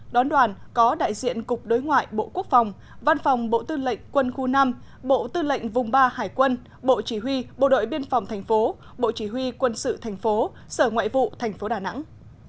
đón đoàn có đại diện cục đối ngoại bộ quốc phòng văn phòng bộ tư lệnh quân khu năm bộ tư lệnh vùng ba hải quân bộ chỉ huy bộ đội biên phòng thành phố bộ chỉ huy quân sự thành phố sở ngoại vụ thành phố đà nẵng